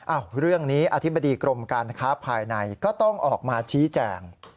เรื่องนี้อธิบดีกรมการค้าภายในก็ต้องออกมาชี้แจง